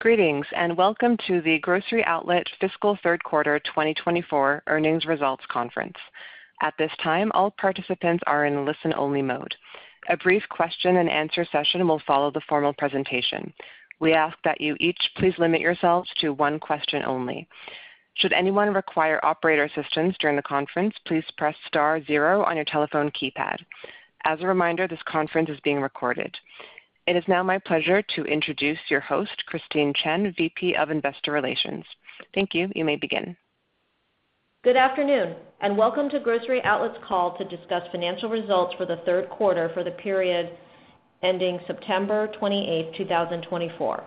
Greetings and welcome to the Grocery Outlet Fiscal Q3 2024 Earnings Results Conference. At this time, all participants are in listen-only mode. A brief question-and-answer session will follow the formal presentation. We ask that you each please limit yourselves to one question only. Should anyone require operator assistance during the conference, please press star zero on your telephone keypad. As a reminder, this conference is being recorded. It is now my pleasure to introduce your host, Christine Chen, VP of Investor Relations. Thank you. You may begin. Good afternoon and welcome to Grocery Outlet's call to discuss financial results for the Q3 for the period ending September 28th, 2024.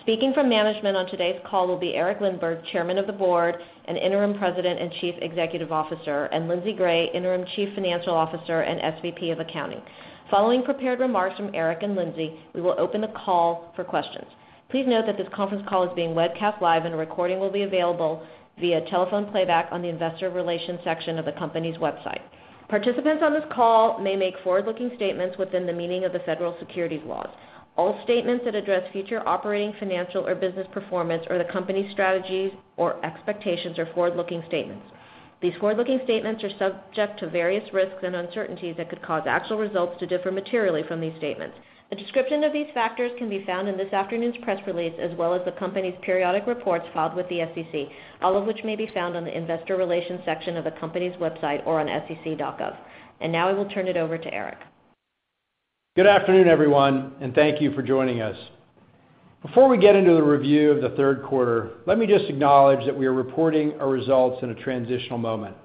Speaking from management on today's call will be Eric Lindberg, Chairman of the Board and Interim President and Chief Executive Officer, and Lindsay Gray, Interim Chief Financial Officer and SVP of Accounting. Following prepared remarks from Eric and Lindsay, we will open the call for questions. Please note that this conference call is being webcast live and a recording will be available via telephone playback on the Investor Relations section of the company's website. Participants on this call may make forward-looking statements within the meaning of the federal securities laws. All statements that address future operating, financial, or business performance or the company's strategies or expectations are forward-looking statements. These forward-looking statements are subject to various risks and uncertainties that could cause actual results to differ materially from these statements. A description of these factors can be found in this afternoon's press release as well as the company's periodic reports filed with the SEC, all of which may be found on the Investor Relations section of the company's website or on sec.gov, and now I will turn it over to Eric. Good afternoon, everyone, and thank you for joining us. Before we get into the review of the Q3, let me just acknowledge that we are reporting our results in a transitional moment.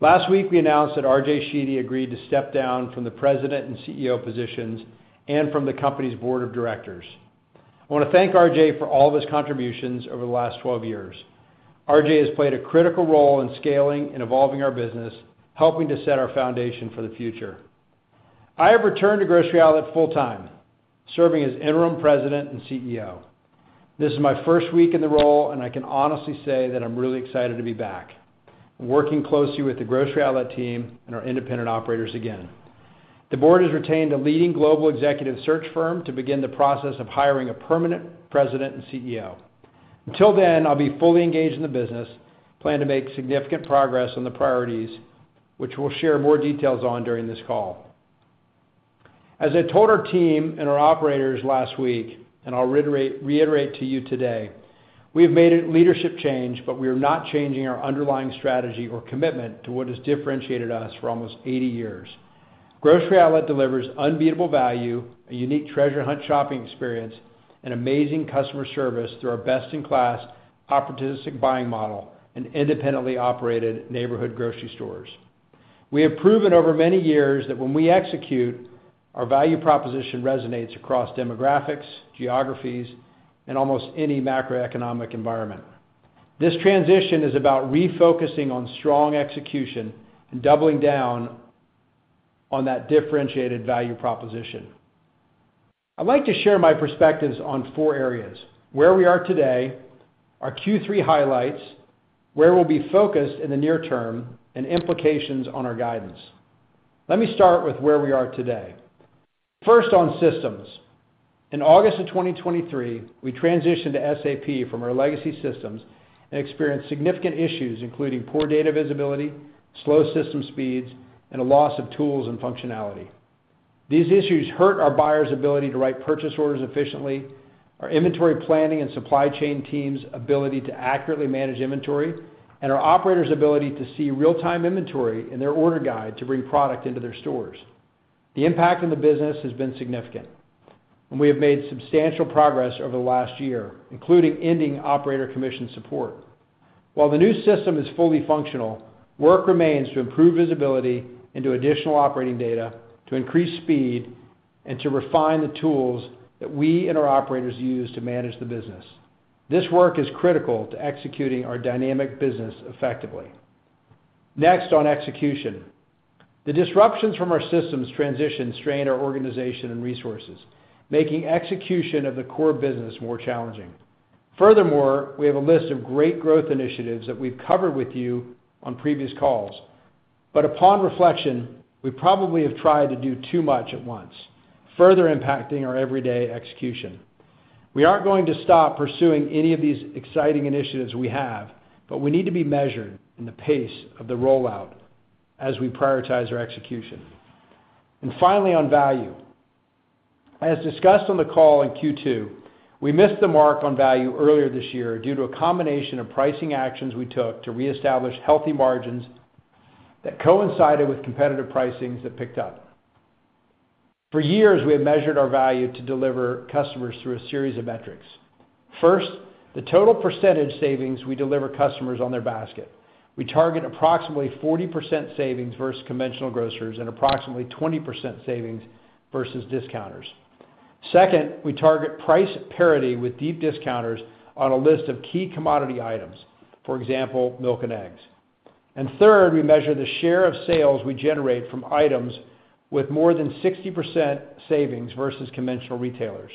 Last week, we announced that RJ Sheedy agreed to step down from the President and CEO positions and from the company's board of directors. I want to thank RJ for all of his contributions over the last 12 years. RJ has played a critical role in scaling and evolving our business, helping to set our foundation for the future. I have returned to Grocery Outlet full-time, serving as Interim President and CEO. This is my first week in the role, and I can honestly say that I'm really excited to be back, working closely with the Grocery Outlet team and our independent operators again. The board has retained a leading global executive search firm to begin the process of hiring a permanent president and CEO. Until then, I'll be fully engaged in the business, plan to make significant progress on the priorities, which we'll share more details on during this call. As I told our team and our operators last week, and I'll reiterate to you today, we have made a leadership change, but we are not changing our underlying strategy or commitment to what has differentiated us for almost 80 years. Grocery Outlet delivers unbeatable value, a unique treasure hunt shopping experience, and amazing customer service through our best-in-class, opportunistic buying model and independently operated neighborhood grocery stores. We have proven over many years that when we execute, our value proposition resonates across demographics, geographies, and almost any macroeconomic environment. This transition is about refocusing on strong execution and doubling down on that differentiated value proposition. I'd like to share my perspectives on four areas: where we are today, our Q3 highlights, where we'll be focused in the near term, and implications on our guidance. Let me start with where we are today. First, on systems. In August of 2023, we transitioned to SAP from our legacy systems and experienced significant issues, including poor data visibility, slow system speeds, and a loss of tools and functionality. These issues hurt our buyers' ability to write purchase orders efficiently, our inventory planning and supply chain teams' ability to accurately manage inventory, and our operators' ability to see real-time inventory in their order guide to bring product into their stores. The impact on the business has been significant, and we have made substantial progress over the last year, including ending operator commission support. While the new system is fully functional, work remains to improve visibility into additional operating data, to increase speed, and to refine the tools that we and our operators use to manage the business. This work is critical to executing our dynamic business effectively. Next, on execution. The disruptions from our systems transition strained our organization and resources, making execution of the core business more challenging. Furthermore, we have a list of great growth initiatives that we've covered with you on previous calls, but upon reflection, we probably have tried to do too much at once, further impacting our everyday execution. We aren't going to stop pursuing any of these exciting initiatives we have, but we need to be measured in the pace of the rollout as we prioritize our execution, and finally, on value. As discussed on the call in Q2, we missed the mark on value earlier this year due to a combination of pricing actions we took to reestablish healthy margins that coincided with competitive pricings that picked up. For years, we have measured our value to deliver customers through a series of metrics. First, the total percentage savings we deliver customers on their basket. We target approximately 40% savings versus conventional grocers and approximately 20% savings versus discounters. Second, we target price parity with deep discounters on a list of key commodity items, for example, milk and eggs. And third, we measure the share of sales we generate from items with more than 60% savings versus conventional retailers.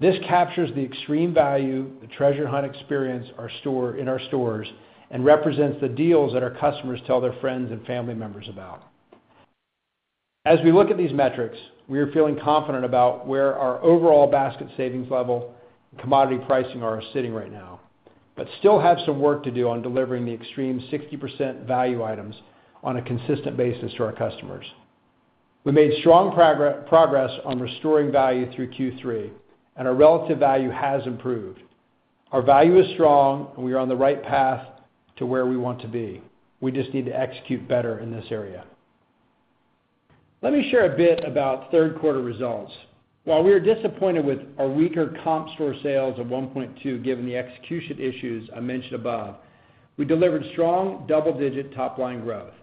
This captures the extreme value, the treasure hunt experience in our stores, and represents the deals that our customers tell their friends and family members about. As we look at these metrics, we are feeling confident about where our overall basket savings level and commodity pricing are sitting right now, but still have some work to do on delivering the extreme 60% value items on a consistent basis to our customers. We made strong progress on restoring value through Q3, and our relative value has improved. Our value is strong, and we are on the right path to where we want to be. We just need to execute better in this area. Let me share a bit about Q3 results. While we are disappointed with our weaker comp store sales of 1.2% given the execution issues I mentioned above, we delivered strong double-digit top-line growth.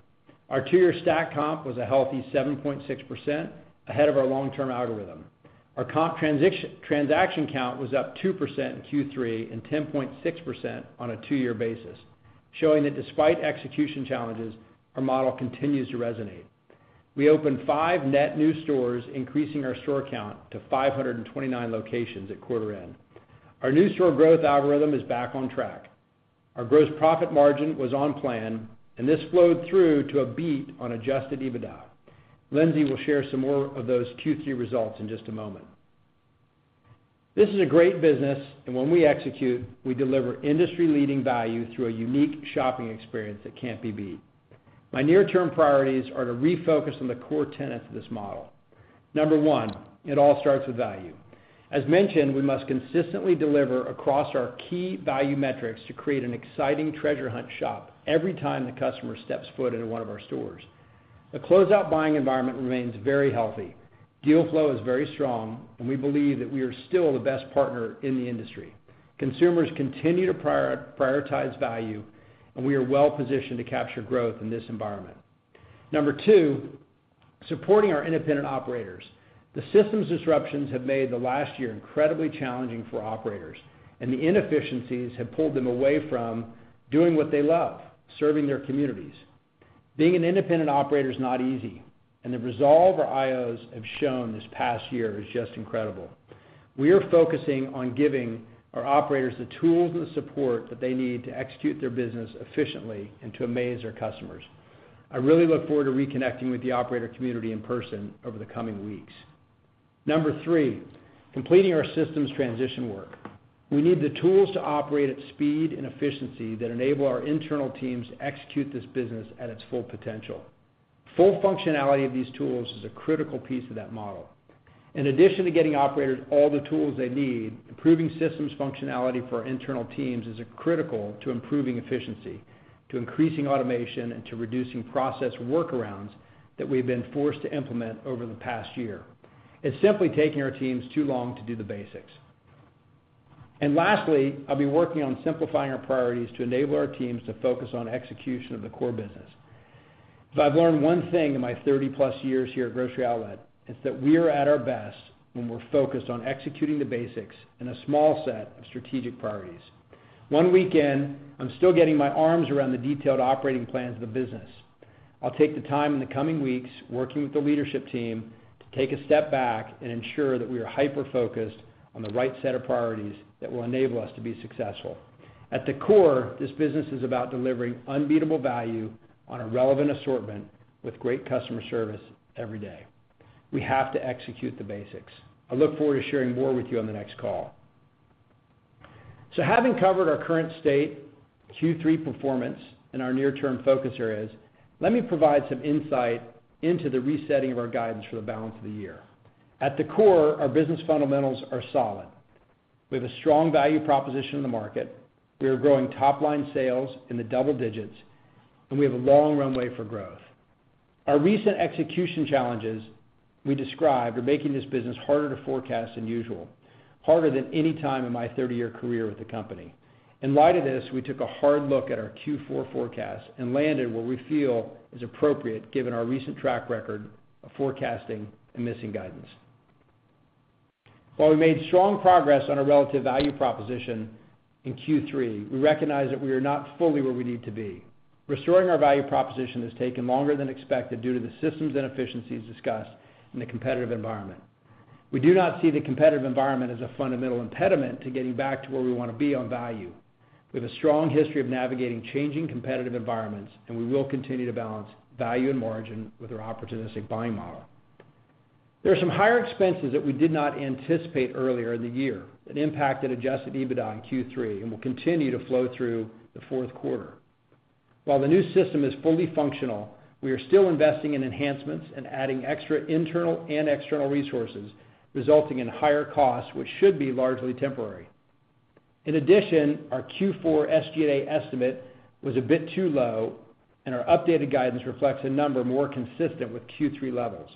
Our two-year stack comp was a healthy 7.6% ahead of our long-term algorithm. Our comp transaction count was up 2% in Q3 and 10.6% on a two-year basis, showing that despite execution challenges, our model continues to resonate. We opened five net new stores, increasing our store count to 529 locations at quarter end. Our new store growth algorithm is back on track. Our gross profit margin was on plan, and this flowed through to a beat on Adjusted EBITDA. Lindsay will share some more of those Q3 results in just a moment. This is a great business, and when we execute, we deliver industry-leading value through a unique shopping experience that can't be beat. My near-term priorities are to refocus on the core tenets of this model. Number one, it all starts with value. As mentioned, we must consistently deliver across our key value metrics to create an exciting treasure hunt shop every time the customer steps foot into one of our stores. The close-out buying environment remains very healthy. Deal flow is very strong, and we believe that we are still the best partner in the industry. Consumers continue to prioritize value, and we are well-positioned to capture growth in this environment. Number two, supporting our independent operators. The systems disruptions have made the last year incredibly challenging for operators, and the inefficiencies have pulled them away from doing what they love, serving their communities. Being an independent operator is not easy, and the resolve our IOs have shown this past year is just incredible. We are focusing on giving our operators the tools and the support that they need to execute their business efficiently and to amaze our customers. I really look forward to reconnecting with the operator community in person over the coming weeks. Number three, completing our systems transition work. We need the tools to operate at speed and efficiency that enable our internal teams to execute this business at its full potential. Full functionality of these tools is a critical piece of that model. In addition to getting operators all the tools they need, improving systems functionality for our internal teams is critical to improving efficiency, to increasing automation, and to reducing process workarounds that we've been forced to implement over the past year. It's simply taking our teams too long to do the basics, and lastly, I'll be working on simplifying our priorities to enable our teams to focus on execution of the core business. If I've learned one thing in my 30-plus years here at Grocery Outlet, it's that we are at our best when we're focused on executing the basics and a small set of strategic priorities. One week in, I'm still getting my arms around the detailed operating plans of the business. I'll take the time in the coming weeks, working with the leadership team, to take a step back and ensure that we are hyper-focused on the right set of priorities that will enable us to be successful. At the core, this business is about delivering unbeatable value on a relevant assortment with great customer service every day. We have to execute the basics. I look forward to sharing more with you on the next call. So having covered our current state, Q3 performance, and our near-term focus areas, let me provide some insight into the resetting of our guidance for the balance of the year. At the core, our business fundamentals are solid. We have a strong value proposition in the market. We are growing top-line sales in the double digits, and we have a long runway for growth. Our recent execution challenges we described are making this business harder to forecast than usual, harder than any time in my 30-year career with the company. In light of this, we took a hard look at our Q4 forecast and landed where we feel is appropriate, given our recent track record of forecasting and missing guidance. While we made strong progress on our relative value proposition in Q3, we recognize that we are not fully where we need to be. Restoring our value proposition has taken longer than expected due to the systems inefficiencies discussed in the competitive environment. We do not see the competitive environment as a fundamental impediment to getting back to where we want to be on value. We have a strong history of navigating changing competitive environments, and we will continue to balance value and margin with our opportunistic buying model. There are some higher expenses that we did not anticipate earlier in the year, which impacted Adjusted EBITDA in Q3 and will continue to flow through the Q4. While the new system is fully functional, we are still investing in enhancements and adding extra internal and external resources, resulting in higher costs, which should be largely temporary. In addition, our Q4 SGA estimate was a bit too low, and our updated guidance reflects a number more consistent with Q3 levels.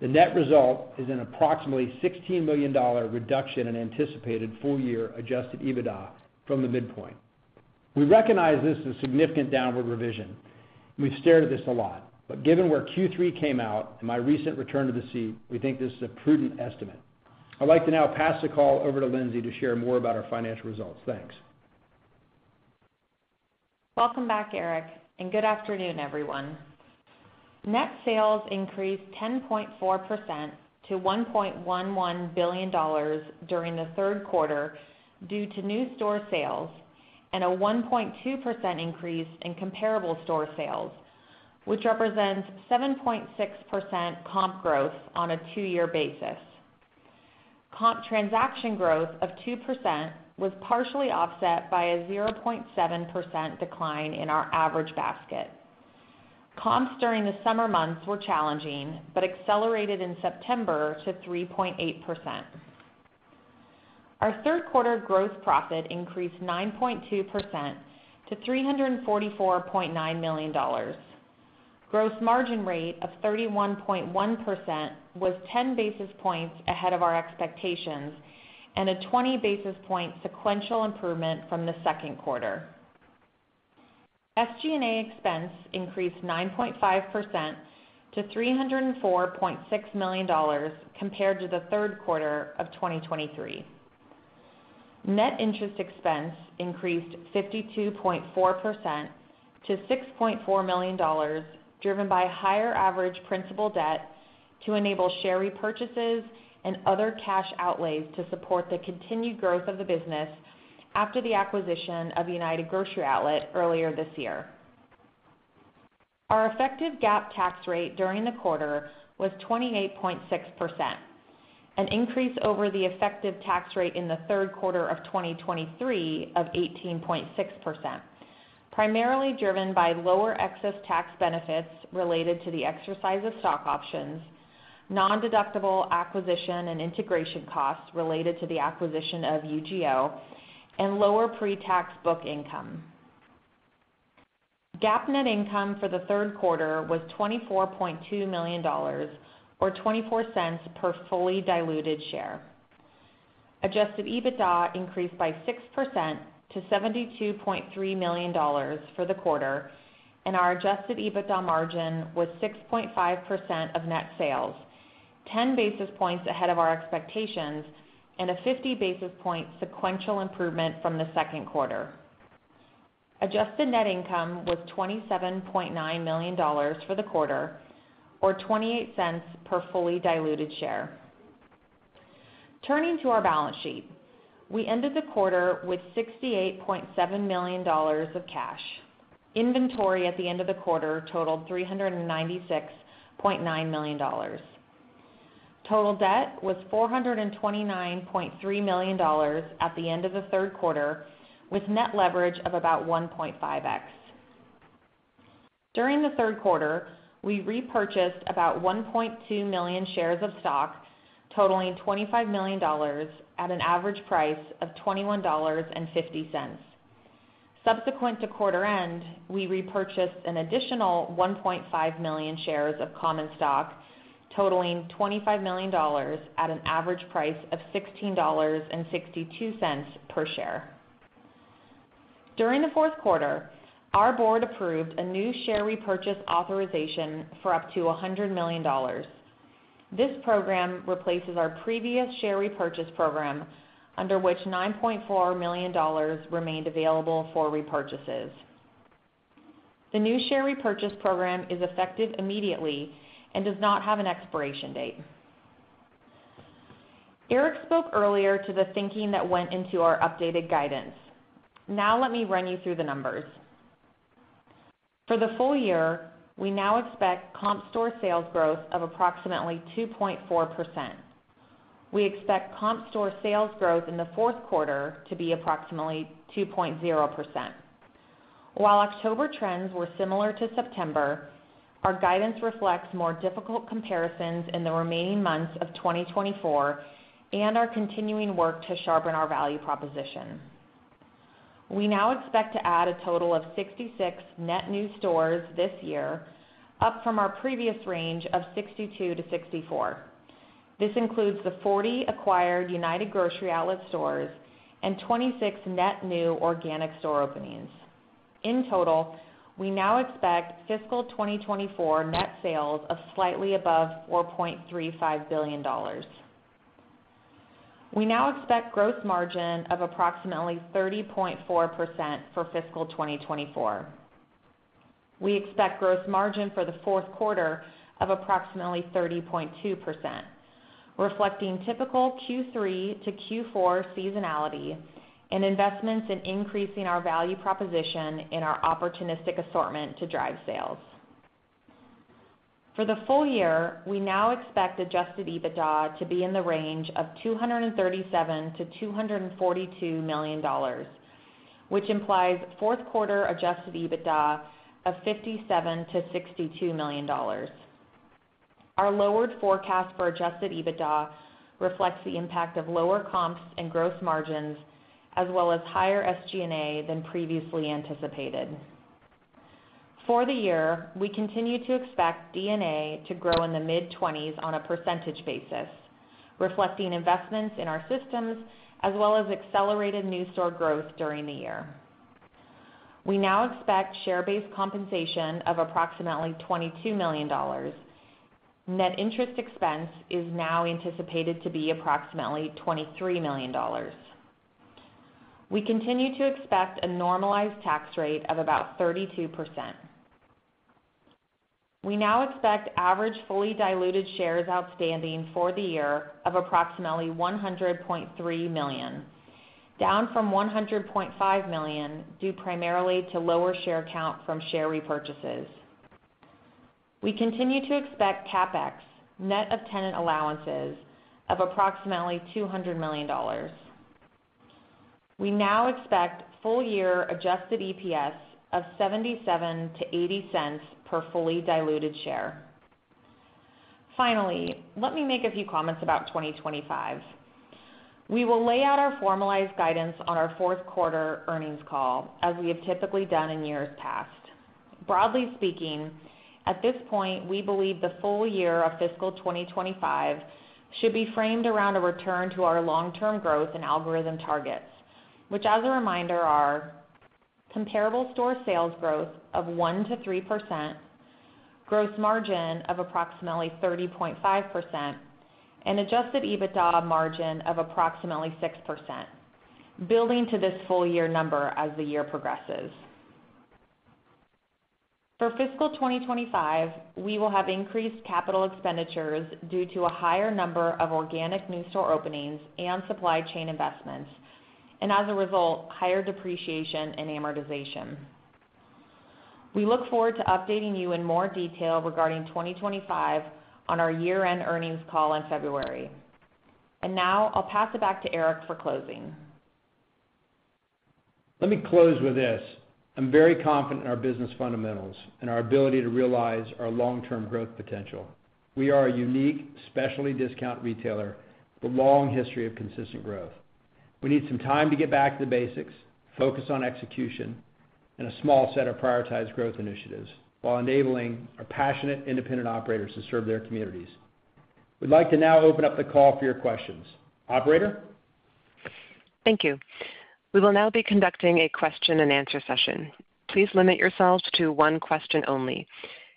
The net result is an approximately $16 million reduction in anticipated full-year Adjusted EBITDA from the midpoint. We recognize this is a significant downward revision, and we've stared at this a lot. But given where Q3 came out and my recent return to the seat, we think this is a prudent estimate. I'd like to now pass the call over to Lindsay to share more about our financial results. Thanks. Welcome back, Eric, and good afternoon, everyone. Net sales increased 10.4% to $1.11 billion during the Q3 due to new store sales and a 1.2% increase in comparable store sales, which represents 7.6% comp growth on a two-year basis. Comp transaction growth of 2% was partially offset by a 0.7% decline in our average basket. Comps during the summer months were challenging but accelerated in September to 3.8%. Our Q3 gross profit increased 9.2% to $344.9 million. Gross margin rate of 31.1% was 10 basis points ahead of our expectations and a 20 basis point sequential improvement from the Q2. SG&A expense increased 9.5% to $304.6 million compared to the Q3 of 2023. Net interest expense increased 52.4% to $6.4 million, driven by higher average principal debt to enable share repurchases and other cash outlays to support the continued growth of the business after the acquisition of United Grocery Outlet earlier this year. Our effective GAAP tax rate during the quarter was 28.6%, an increase over the effective tax rate in the Q3 of 2023 of 18.6%, primarily driven by lower excess tax benefits related to the exercise of stock options, non-deductible acquisition and integration costs related to the acquisition of UGO, and lower pre-tax book income. GAAP net income for the Q3 was $24.2 million, or $0.24 per fully diluted share. Adjusted EBITDA increased by 6% to $72.3 million for the quarter, and our adjusted EBITDA margin was 6.5% of net sales, 10 basis points ahead of our expectations and a 50 basis point sequential improvement from the Q2. Adjusted net income was $27.9 million for the quarter, or $0.28 per fully diluted share. Turning to our balance sheet, we ended the quarter with $68.7 million of cash. Inventory at the end of the quarter totaled $396.9 million. Total debt was $429.3 million at the end of the Q3, with net leverage of about 1.5x. During the Q3, we repurchased about 1.2 million shares of stock, totaling $25 million at an average price of $21.50. Subsequent to quarter end, we repurchased an additional 1.5 million shares of common stock, totaling $25 million at an average price of $16.62 per share. During the Q4, our board approved a new share repurchase authorization for up to $100 million. This program replaces our previous share repurchase program, under which $9.4 million remained available for repurchases. The new share repurchase program is effective immediately and does not have an expiration date. Eric spoke earlier to the thinking that went into our updated guidance. Now let me run you through the numbers. For the full year, we now expect comp store sales growth of approximately 2.4%. We expect comp store sales growth in the Q4 to be approximately 2.0%. While October trends were similar to September, our guidance reflects more difficult comparisons in the remaining months of 2024 and our continuing work to sharpen our value proposition. We now expect to add a total of 66 net new stores this year, up from our previous range of 62 to 64. This includes the 40 acquired United Grocery Outlet stores and 26 net new organic store openings. In total, we now expect fiscal 2024 net sales of slightly above $4.35 billion. We now expect gross margin of approximately 30.4% for fiscal 2024. We expect gross margin for the Q4 of approximately 30.2%, reflecting typical Q3 to Q4 seasonality and investments in increasing our value proposition in our opportunistic assortment to drive sales. For the full year, we now expect adjusted EBITDA to be in the range of $237-$242 million, which implies Q4 adjusted EBITDA of $57-$62 million. Our lowered forecast for adjusted EBITDA reflects the impact of lower comps and gross margins, as well as higher SG&A than previously anticipated. For the year, we continue to expect D&A to grow in the mid-20s% on a percentage basis, reflecting investments in our systems, as well as accelerated new store growth during the year. We now expect share-based compensation of approximately $22 million. Net interest expense is now anticipated to be approximately $23 million. We continue to expect a normalized tax rate of about 32%. We now expect average fully diluted shares outstanding for the year of approximately 100.3 million, down from 100.5 million due primarily to lower share count from share repurchases. We continue to expect CapEx, net of tenant allowances, of approximately $200 million. We now expect full-year adjusted EPS of $0.77-$0.80 per fully diluted share. Finally, let me make a few comments about 2025. We will lay out our formalized guidance on our Q4 earnings call, as we have typically done in years past. Broadly speaking, at this point, we believe the full year of fiscal 2025 should be framed around a return to our long-term growth and algorithm targets, which, as a reminder, are comparable store sales growth of 1%-3%, gross margin of approximately 30.5%, and Adjusted EBITDA margin of approximately 6%, building to this full-year number as the year progresses. For fiscal 2025, we will have increased capital expenditures due to a higher number of organic new store openings and supply chain investments, and as a result, higher depreciation and amortization. We look forward to updating you in more detail regarding 2025 on our year-end earnings call in February, and now I'll pass it back to Eric for closing. Let me close with this: I'm very confident in our business fundamentals and our ability to realize our long-term growth potential. We are a unique, specialty discount retailer with a long history of consistent growth. We need some time to get back to the basics, focus on execution, and a small set of prioritized growth initiatives while enabling our passionate independent operators to serve their communities. We'd like to now open up the call for your questions. Operator? Thank you. We will now be conducting a question-and-answer session. Please limit yourselves to one question only.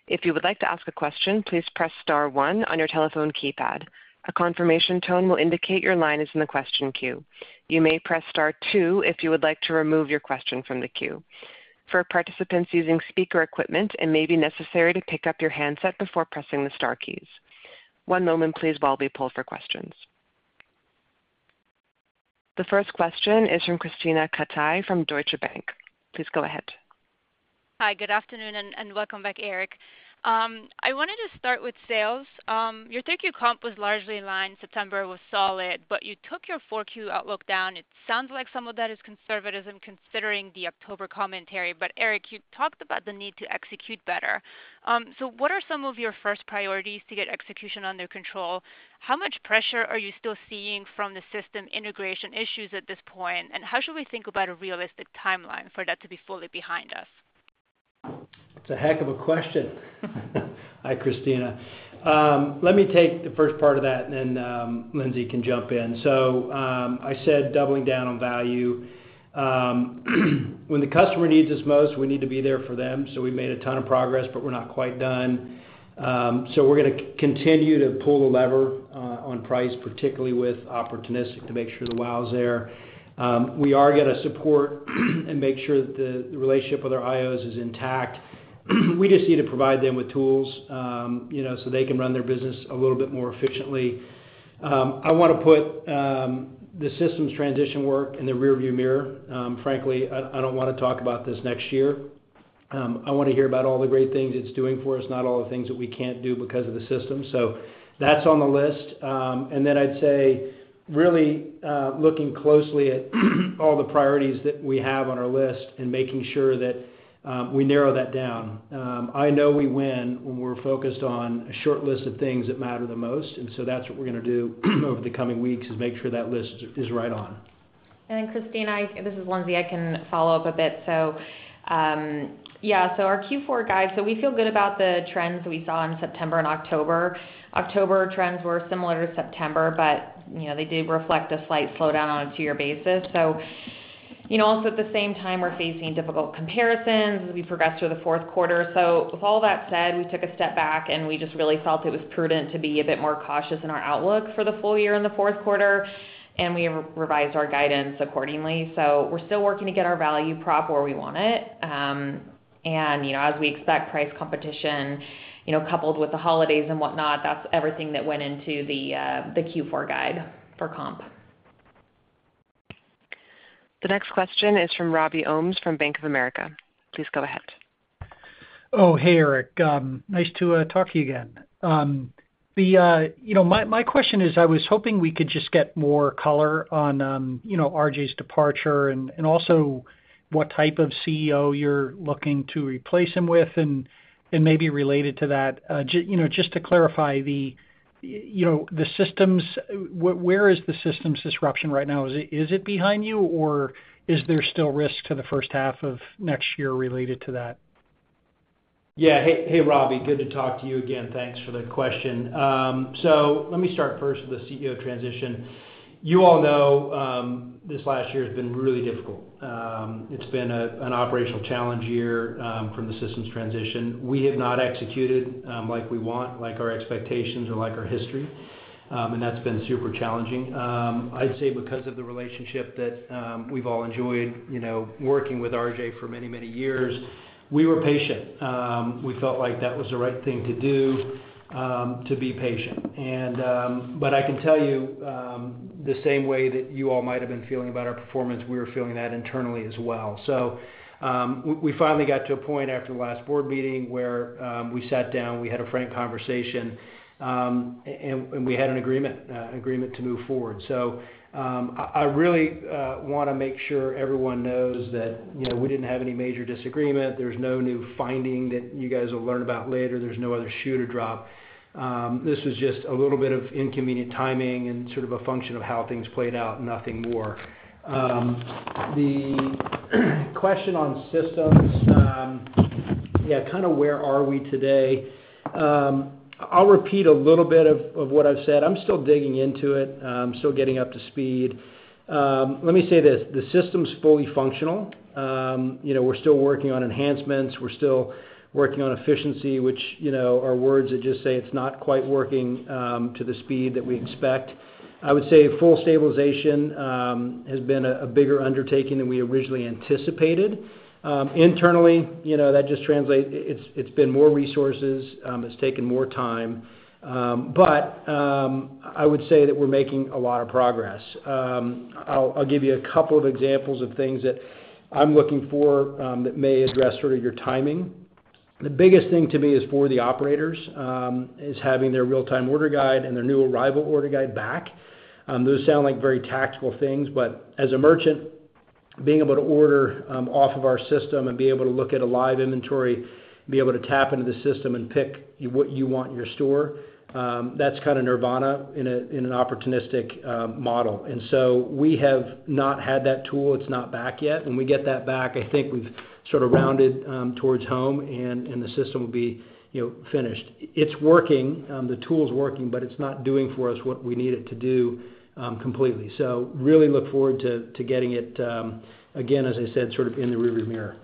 If you would like to ask a question, please press Star 1 on your telephone keypad. A confirmation tone will indicate your line is in the question queue. You may press Star 2 if you would like to remove your question from the queue. For participants using speaker equipment, it may be necessary to pick up your handset before pressing the Star keys. One moment, please, while we pull for questions. The first question is from Krisztina Katai from Deutsche Bank. Please go ahead. Hi, good afternoon, and welcome back, Eric. I wanted to start with sales. your Q3 comp was largely in line. September was solid, but you took your Q4 outlook down. It sounds like some of that is conservatism considering the October commentary. But Eric, you talked about the need to execute better. So what are some of your first priorities to get execution under control? How much pressure are you still seeing from the system integration issues at this point? And how should we think about a realistic timeline for that to be fully behind us? It's a heck of a question. Hi, Krisztina. Let me take the first part of that, and then Lindsay can jump in. So I said doubling down on value. When the customer needs us most, we need to be there for them. So we've made a ton of progress, but we're not quite done. So we're going to continue to pull the lever on price, particularly with opportunistic, to make sure the wow's there. We are going to support and make sure that the relationship with our IOs is intact. We just need to provide them with tools so they can run their business a little bit more efficiently. I want to put the systems transition work in the rearview mirror. Frankly, I don't want to talk about this next year. I want to hear about all the great things it's doing for us, not all the things that we can't do because of the system. So that's on the list. And then I'd say really looking closely at all the priorities that we have on our list and making sure that we narrow that down. I know we win when we're focused on a short list of things that matter the most. And so that's what we're going to do over the coming weeks, is make sure that list is right on. Krisztina, this is Lindsay. I can follow up a bit. So yeah, so our Q4 guide, so we feel good about the trends that we saw in September and October. October trends were similar to September, but they did reflect a slight slowdown on a two-year basis. So also at the same time, we're facing difficult comparisons as we progress through the Q4. So with all that said, we took a step back, and we just really felt it was prudent to be a bit more cautious in our outlook for the full year and the Q4. And we have revised our guidance accordingly. So we're still working to get our value prop where we want it. And as we expect price competition coupled with the holidays Whatnot, that's everything that went into the Q4 guide for comp. The next question is from Robbie Ohmes from Bank of America. Please go ahead. Oh, hey, Eric. Nice to talk to you again. My question is, I was hoping we could just get more color on RJ's departure and also what type of CEO you're looking to replace him with and maybe related to that. Just to clarify, the systems, where is the systems disruption right now? Is it behind you, or is there still risk to the first half of next year related to that? Yeah. Hey, Robbie. Good to talk to you again. Thanks for the question, so let me start first with the CEO transition. You all know this last year has been really difficult. It's been an operational challenge year from the systems transition. We have not executed like we want, like our expectations, or like our history, and that's been super challenging. I'd say because of the relationship that we've all enjoyed working with RJ for many, many years, we were patient. We felt like that was the right thing to do, to be patient, but I can tell you, the same way that you all might have been feeling about our performance, we were feeling that internally as well, so we finally got to a point after the last board meeting where we sat down, we had a frank conversation, and we had an agreement to move forward. So I really want to make sure everyone knows that we didn't have any major disagreement. There's no new finding that you guys will learn about later. There's no other shoe to drop. This was just a little bit of inconvenient timing and sort of a function of how things played out, nothing more. The question on systems, yeah, kind of where are we today? I'll repeat a little bit of what I've said. I'm still digging into it. I'm still getting up to speed. Let me say this: the system's fully functional. We're still working on enhancements. We're still working on efficiency, which are words that just say it's not quite working to the speed that we expect. I would say full stabilization has been a bigger undertaking than we originally anticipated. Internally, that just translates. It's been more resources. It's taken more time. But I would say that we're making a lot of progress. I'll give you a couple of examples of things that I'm looking for that may address sort of your timing. The biggest thing to me is for the operators is having their real-time order guide and their new arrival order guide back. Those sound like very tactical things, but as a merchant, being able to order off of our system and be able to look at a live inventory, be able to tap into the system and pick what you want in your store, that's kind of nirvana in an opportunistic model. And so we have not had that tool. It's not back yet. When we get that back, I think we've sort of rounded towards home, and the system will be finished. It's working. The tool's working, but it's not doing for us what we need it to do completely. So really look forward to getting it, again, as I said, sort of in the rearview mirror.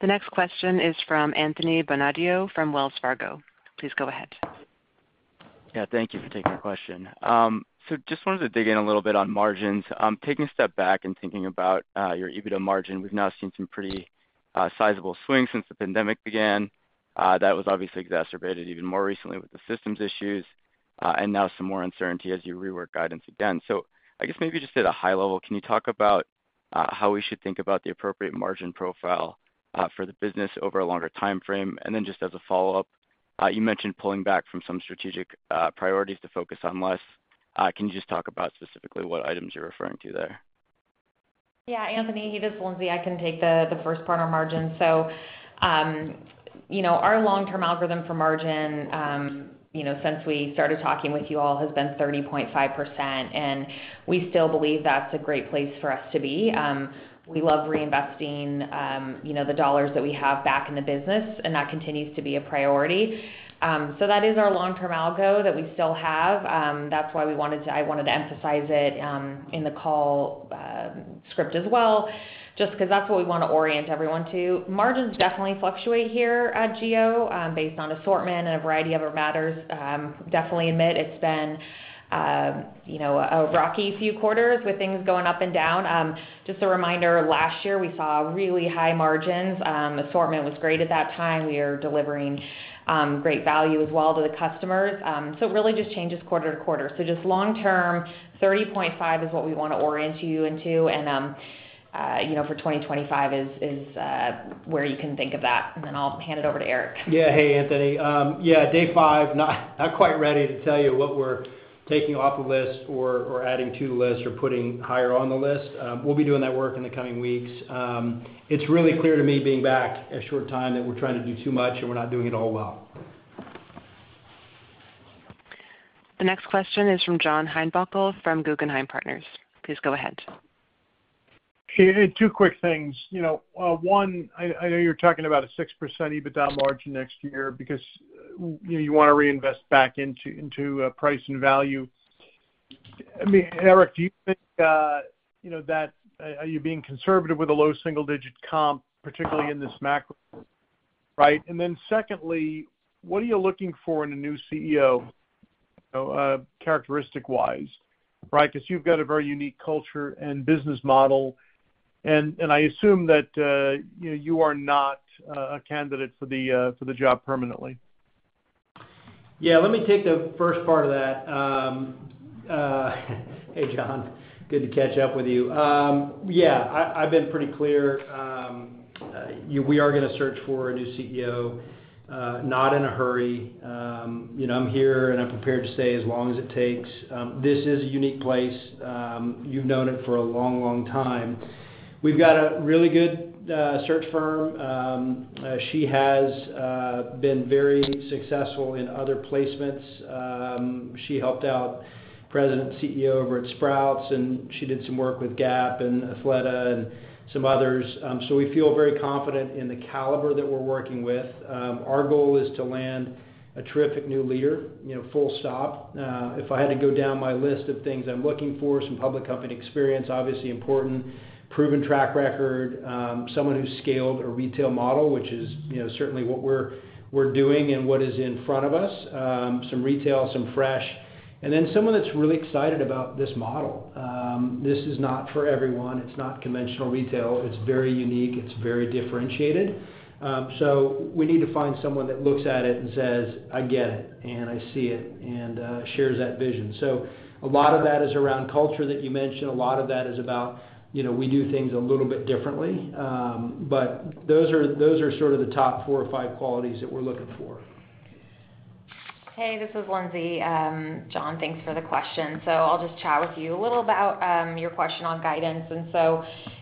The next question is from Anthony Bonadio from Wells Fargo. Please go ahead. Yeah, thank you for taking my question. So just wanted to dig in a little bit on margins. Taking a step back and thinking about your EBITDA margin, we've now seen some pretty sizable swings since the pandemic began. That was obviously exacerbated even more recently with the systems issues and now some more uncertainty as you rework guidance again. So I guess maybe just at a high level, can you talk about how we should think about the appropriate margin profile for the business over a longer time frame? And then just as a follow-up, you mentioned pulling back from some strategic priorities to focus on less. Can you just talk about specifically what items you're referring to there? Yeah, Anthony, hey, this is Lindsay. I can take the first part on margins. Our long-term algorithm for margin since we started talking with you all has been 30.5%, and we still believe that's a great place for us to be. We love reinvesting the dollars that we have back in the business, and that continues to be a priority. That is our long-term algo that we still have. That's why I wanted to emphasize it in the call script as well, just because that's what we want to orient everyone to. Margins definitely fluctuate here at GO based on assortment and a variety of other matters. I definitely admit it's been a rocky few quarters with things going up and down. Just a reminder, last year we saw really high margins. Assortment was great at that time. We are delivering great value as well to the customers. So it really just changes quarter-to-quarter. So just long-term, 30.5 is what we want to orient you into, and for 2025 is where you can think of that. And then I'll hand it over to Eric. Yeah, hey, Anthony. Yeah, day five, not quite ready to tell you what we're taking off the list or adding to the list or putting higher on the list. We'll be doing that work in the coming weeks. It's really clear to me, being back a short time, that we're trying to do too much, and we're not doing it all well. The next question is from John Heinbockel from Guggenheim Partners. Please go ahead. Two quick things. One, I know you're talking about a 6% EBITDA margin next year because you want to reinvest back into price and value. I mean, Eric, do you think that are you being conservative with a low single-digit comp, particularly in this macro? Right? And then secondly, what are you looking for in a new CEO characteristic-wise? Right? Because you've got a very unique culture and business model, and I assume that you are not a candidate for the job permanently. Yeah, let me take the first part of that. Hey, John. Good to catch up with you. Yeah, I've been pretty clear. We are going to search for a new CEO, not in a hurry. I'm here, and I'm prepared to stay as long as it takes. This is a unique place. You've known it for a long, long time. We've got a really good search firm. She has been very successful in other placements. She helped out President and CEO over at Sprouts, and she did some work with Gap and Athleta and some others. So we feel very confident in the caliber that we're working with. Our goal is to land a terrific new leader, full stop. If I had to go down my list of things I'm looking for, some public company experience, obviously important, proven track record, someone who's scaled a retail model, which is certainly what we're doing and what is in front of us, some retail, some fresh, and then someone that's really excited about this model. This is not for everyone. It's not conventional retail. It's very unique. It's very differentiated. So we need to find someone that looks at it and says, "I get it, and I see it," and shares that vision. So a lot of that is around culture that you mentioned. A lot of that is about we do things a little bit differently. But those are sort of the top four or five qualities that we're looking for. Hey, this is Lindsay. John, thanks for the question. I'll just chat with you a little about your question on guidance.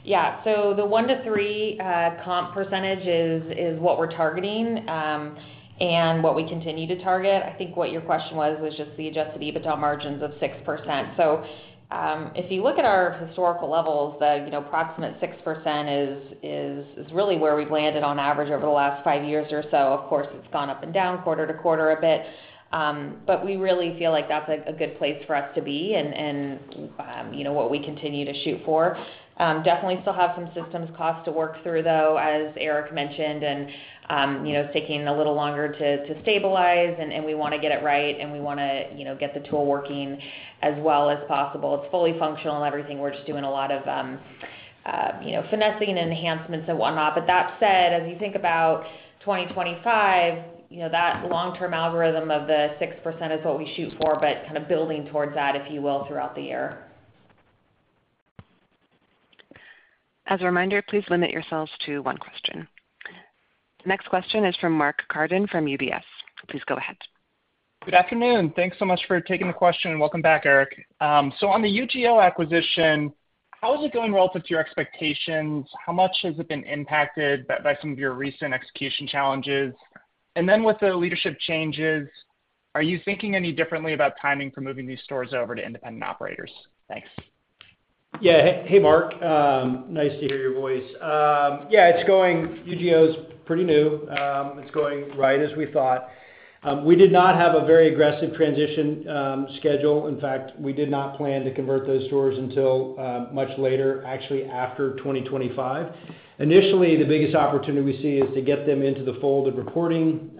Yeah, the 1%-3% comp percentage is what we're targeting and what we continue to target. I think what your question was was just the Adjusted EBITDA margins of 6%. If you look at our historical levels, the approximate 6% is really where we've landed on average over the last five years or so. Of course, it's gone up and down quarter-to-quarter a bit. We really feel like that's a good place for us to be and what we continue to shoot for. Definitely still have some systems costs to work through, though, as Eric mentioned, and it's taking a little longer to stabilize, and we want to get it right, and we want to get the tool working as well as possible. It's fully functional and everything. We're just doing a lot of finessing and enhancements Whatnot. but that said, as you think about 2025, that long-term algorithm of the 6% is what we shoot for, but kind of building towards that, if you will, throughout the year. As a reminder, please limit yourselves to one question. The next question is from Mark Carden from UBS. Please go ahead. Good afternoon. Thanks so much for taking the question, and welcome back, Eric. So on the UGO acquisition, how is it going relative to your expectations? How much has it been impacted by some of your recent execution challenges? And then with the leadership changes, are you thinking any differently about timing for moving these stores over to independent operators? Thanks. Yeah. Hey, Mark. Nice to hear your voice. Yeah, UGO is pretty new. It's going right as we thought. We did not have a very aggressive transition schedule. In fact, we did not plan to convert those stores until much later, actually after 2025. Initially, the biggest opportunity we see is to get them into the fold of reporting.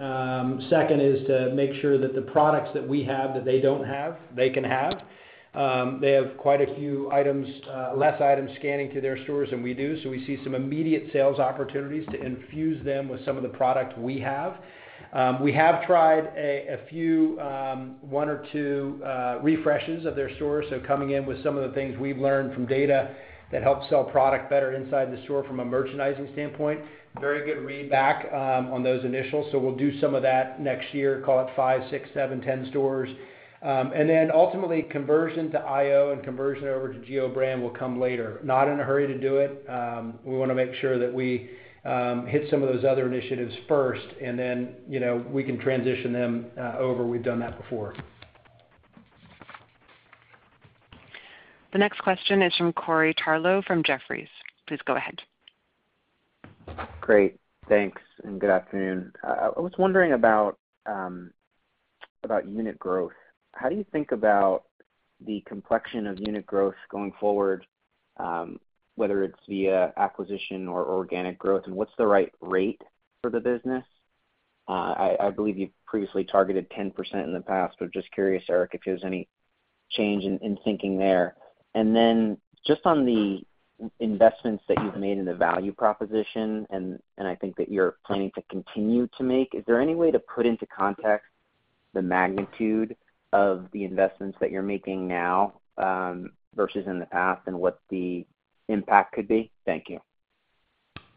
Second is to make sure that the products that we have that they don't have, they can have. They have quite a few less items scanning through their stores than we do, so we see some immediate sales opportunities to infuse them with some of the product we have. We have tried a few one or two refreshes of their stores, so coming in with some of the things we've learned from data that help sell product better inside the store from a merchandising standpoint. Very good readback on those initials. So we'll do some of that next year, call it five, six, seven, 10 stores. And then ultimately, conversion to IO and conversion over to GO Brand will come later. Not in a hurry to do it. We want to make sure that we hit some of those other initiatives first, and then we can transition them over. We've done that before. The next question is from Corey Tarlow from Jefferies. Please go ahead. Great. Thanks, and good afternoon. I was wondering about unit growth. How do you think about the complexion of unit growth going forward, whether it's via acquisition or organic growth, and what's the right rate for the business? I believe you've previously targeted 10% in the past, but just curious, Eric, if there's any change in thinking there. And then just on the investments that you've made in the value proposition, and I think that you're planning to continue to make, is there any way to put into context the magnitude of the investments that you're making now versus in the past and what the impact could be? Thank you.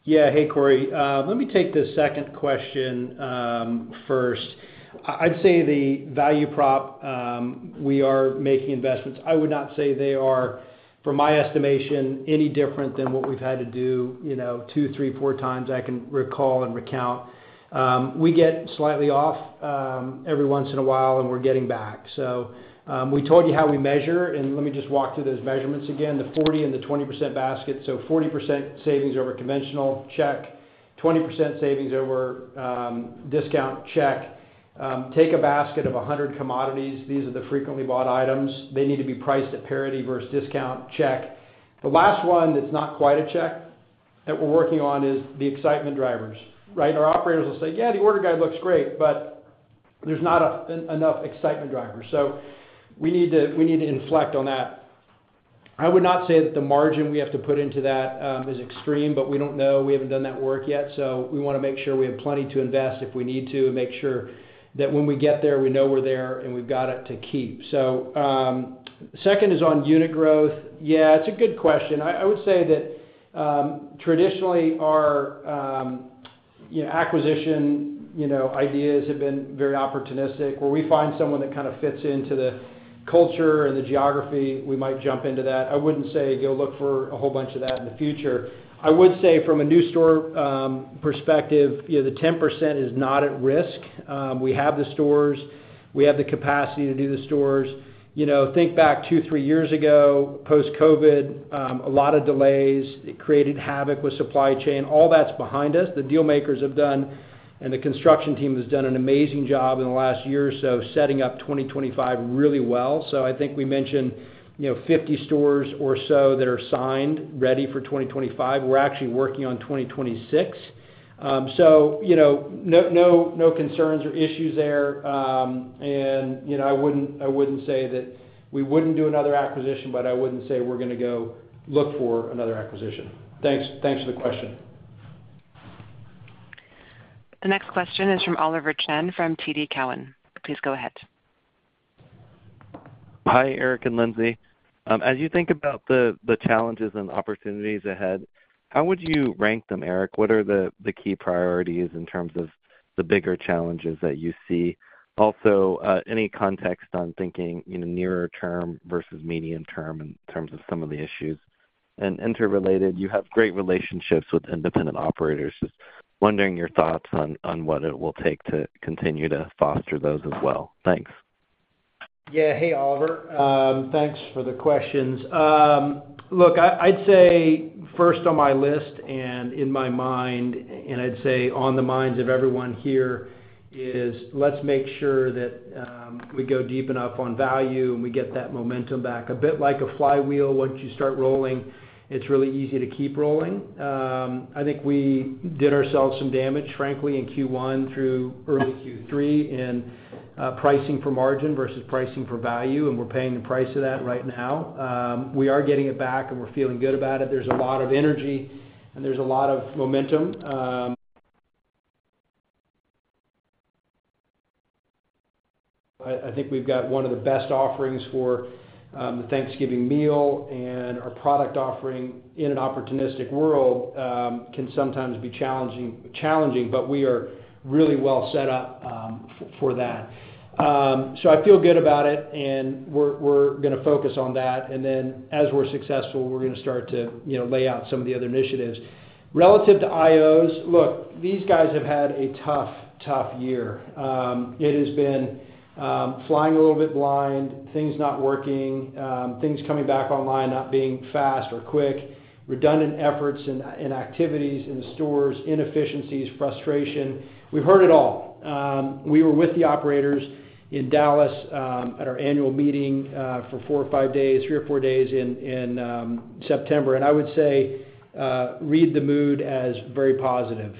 Yeah. Hey, Corey. Let me take the second question first. I'd say the value prop, we are making investments. I would not say they are, from my estimation, any different than what we've had to do two, three, four times I can recall and recount. We get slightly off every once in a while, and we're getting back. So we told you how we measure, and let me just walk through those measurements again, the 40% and the 20% basket. So 40% savings over conventional check, 20% savings over discount check. Take a basket of 100 commodities. These are the frequently bought items. They need to be priced at parity versus discount check. The last one that's not quite a check that we're working on is the excitement drivers. Right? Our operators will say, "Yeah, the order guide looks great, but there's not enough excitement drivers," so we need to inflect on that. I would not say that the margin we have to put into that is extreme, but we don't know. We haven't done that work yet, so we want to make sure we have plenty to invest if we need to and make sure that when we get there, we know we're there and we've got it to keep, so second is on unit growth. Yeah, it's a good question. I would say that traditionally, our acquisition ideas have been very opportunistic. Where we find someone that kind of fits into the culture and the geography, we might jump into that. I wouldn't say go look for a whole bunch of that in the future. I would say from a new store perspective, the 10% is not at risk. We have the stores. We have the capacity to do the stores. Think back two, three years ago, post-COVID, a lot of delays. It created havoc with supply chain. All that's behind us. The dealmakers have done, and the construction team has done an amazing job in the last year or so setting up 2025 really well. So I think we mentioned 50 stores or so that are signed ready for 2025. We're actually working on 2026. So no concerns or issues there. And I wouldn't say that we wouldn't do another acquisition, but I wouldn't say we're going to go look for another acquisition. Thanks for the question. The next question is from Oliver Chen from TD Cowen. Please go ahead. Hi, Eric and Lindsay. As you think about the challenges and opportunities ahead, how would you rank them, Eric? What are the key priorities in terms of the bigger challenges that you see? Also, any context on thinking nearer term versus medium term in terms of some of the issues, and interrelated, you have great relationships with independent operators. Just wondering your thoughts on what it will take to continue to foster those as well. Thanks. Yeah. Hey, Oliver. Thanks for the questions. Look, I'd say first on my list and in my mind, and I'd say on the minds of everyone here, is let's make sure that we go deep enough on value and we get that momentum back. A bit like a flywheel, once you start rolling, it's really easy to keep rolling. I think we did ourselves some damage, frankly, in Q1 through early Q3 in pricing for margin versus pricing for value, and we're paying the price of that right now. We are getting it back, and we're feeling good about it. There's a lot of energy, and there's a lot of momentum. I think we've got one of the best offerings for the Thanksgiving meal, and our product offering in an opportunistic world can sometimes be challenging, but we are really well set up for that. So I feel good about it, and we're going to focus on that. And then as we're successful, we're going to start to lay out some of the other initiatives. Relative to IOs, look, these guys have had a tough, tough year. It has been flying a little bit blind, things not working, things coming back online not being fast or quick, redundant efforts and activities in the stores, inefficiencies, frustration. We've heard it all. We were with the operators in Dallas at our annual meeting for four or five days, three or four days in September. And I would say read the mood as very positive.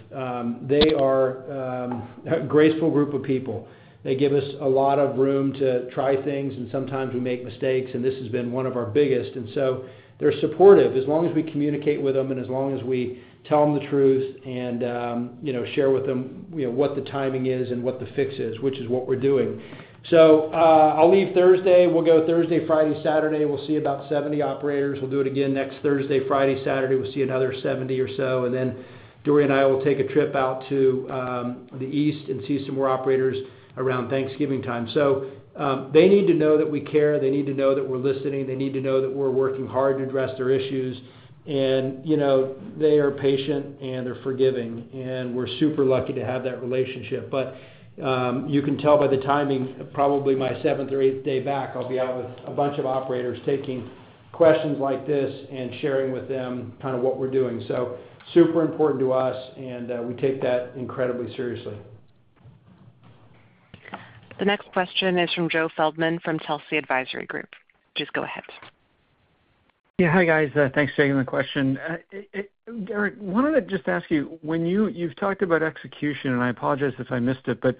They are a graceful group of people. They give us a lot of room to try things, and sometimes we make mistakes, and this has been one of our biggest. And so they're supportive as long as we communicate with them and as long as we tell them the truth and share with them what the timing is and what the fix is, which is what we're doing. So I'll leave Thursday. We'll go Thursday, Friday, Saturday. We'll see about 70 operators. We'll do it again next Thursday, Friday, Saturday. We'll see another 70 or so. And then Dory and I will take a trip out to the east and see some more operators around Thanksgiving time. So they need to know that we care. They need to know that we're listening. They need to know that we're working hard to address their issues. And they are patient, and they're forgiving. And we're super lucky to have that relationship. But you can tell by the timing, probably my seventh or eighth day back, I'll be out with a bunch of operators taking questions like this and sharing with them kind of what we're doing, so super important to us, and we take that incredibly seriously. The next question is from Joe Feldman from Telsey Advisory Group. Please go ahead. Yeah. Hi, guys. Thanks for taking the question. Eric, wanted to just ask you, when you've talked about execution, and I apologize if I missed it, but